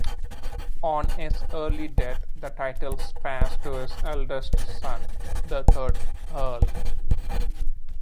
On his early death the titles passed to his eldest son, the third Earl.